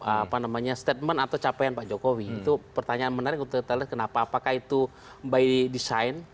apa namanya statement atau capaian pak jokowi itu pertanyaan menarik untuk kita lihat kenapa apakah itu by design